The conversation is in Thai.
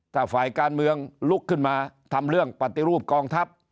ถ้าฝ่ายการเมืองลุกขึ้นมาทำเรื่องปฏิรูปกองทัพ